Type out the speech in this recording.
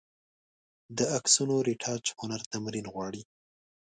د عکسونو رېټاچ هنر تمرین غواړي.